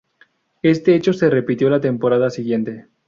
Este hecho se repitió la temporada siguiente.